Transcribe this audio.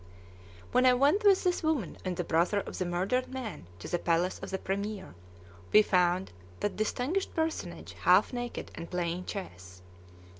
When I went with this woman and the brother of the murdered man to the palace of the premier, we found that distinguished personage half naked and playing chess.